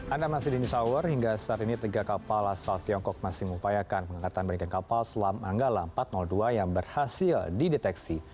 anda masih di news hour hingga saat ini tiga kapal asal tiongkok masih mengupayakan pengangkatan bagian kapal selam anggala empat ratus dua yang berhasil dideteksi